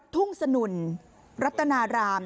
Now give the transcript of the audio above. ทุ่งสนุนรัตนาราม